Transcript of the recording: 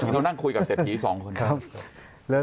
เรานั่งคุยกับเศรษฐีสองคนครับ